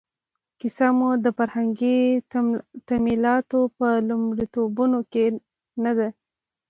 کیسه مو د فرهنګي تمایلاتو په لومړیتوبونو کې نه ده.